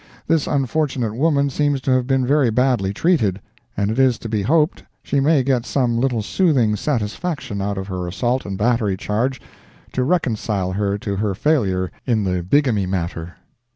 This unfortunate woman seems to have been very badly treated, and it is to be hoped she may get some little soothing satisfaction out of her assault and battery charge to reconcile her to her failure in the bigamy matter.